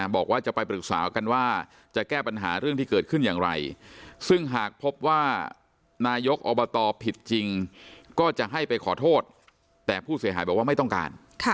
บอกว่าจะไปปรึกษากันว่า